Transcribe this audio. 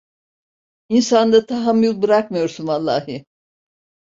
İnsanda tahammül bırakmıyorsun vallahi!